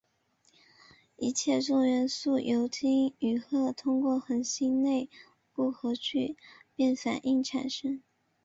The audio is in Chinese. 一切重元素由氢与氦通过恒星内部核聚变反应产生。